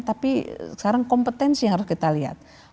tapi sekarang kompetensi yang harus kita lihat